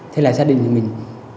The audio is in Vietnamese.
thế là gia đình mình